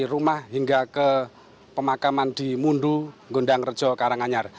rumah hingga ke pemakaman di mundu gondang rejo karanganyar